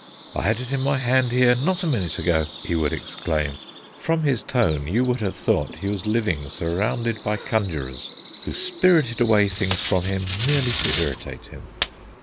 "I had it in my hand here not a minute ago!" he would exclaim. From his tone you would have thought he was living surrounded by conjurers, who spirited away things from him merely to irritate him.